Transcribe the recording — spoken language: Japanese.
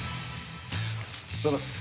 おはようございます。